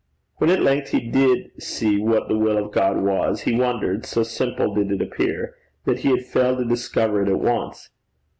When at length he did see what the will of God was, he wondered, so simple did it appear, that he had failed to discover it at once.